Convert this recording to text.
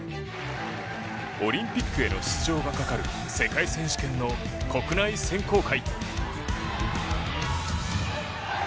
オリンピックへの出場がかかる世界選手権の国内選考会。